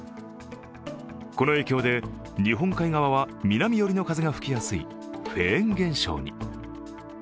この影響で日本海側は南寄りの風が吹きやすいフェーン現象に。